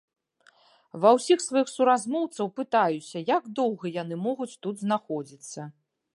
Ва ўсіх сваіх суразмоўцаў пытаюся, як доўга яны могуць тут знаходзіцца.